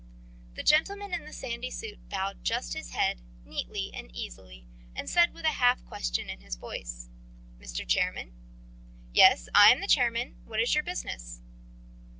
The gentleman in the sandy suit bowed just his head, neatly and easily, and said with a half question in his voice: "Mr. Chairman?" "Yes. I am the chairman. What is your business?"